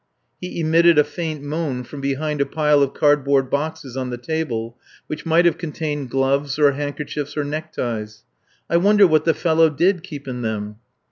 He emitted a faint moan from behind a pile of cardboard boxes on the table, which might have contained gloves or handkerchiefs or neckties. I wonder what the fellow did keep in them?